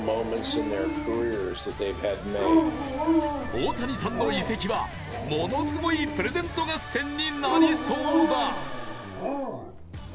大谷さんの移籍はものすごいプレゼント合戦になりそうだ。